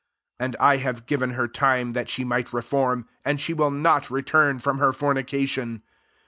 21 And I have given her time that she might reform ; and she will not return from her fornication.